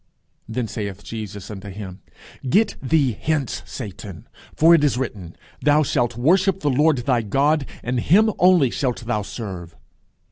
Then saith Jesus unto him, Get thee hence, Satan; for it is written, Thou shalt worship the Lord thy God, and him only shalt thou serve.